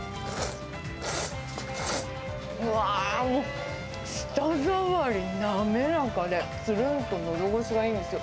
うわー、舌触り滑らかで、つるんとのどごしがいいんですよ。